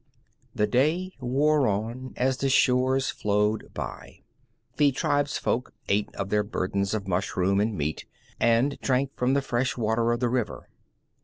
The day wore on as the shores flowed by. The tribefolk ate of their burdens of mushroom and meat, and drank from the fresh water of the river.